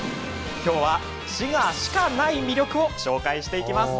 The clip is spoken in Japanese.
今日は、滋賀しかない魅力を紹介していきます。